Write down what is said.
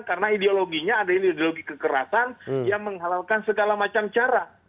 karena ideologinya ada ideologi kekerasan yang menghalalkan segala macam cara